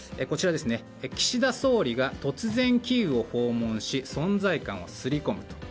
岸田総理が突然キーウを訪問し存在感を刷り込むと。